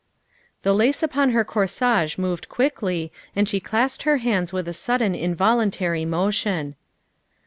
The lace upon her corsage moved quickly and she clasped her hands with a sudden involuntary motion.